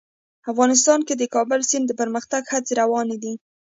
افغانستان کې د کابل سیند د پرمختګ هڅې روانې دي.